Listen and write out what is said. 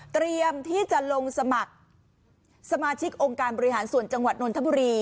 เตรียมที่จะลงสมัครสมาชิกองค์การบริหารส่วนจังหวัดนนทบุรี